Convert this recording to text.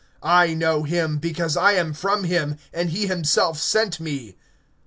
(29)I know him; because I am from him, and he sent me.